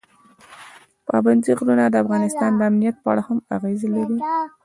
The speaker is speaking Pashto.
پابندی غرونه د افغانستان د امنیت په اړه هم اغېز لري.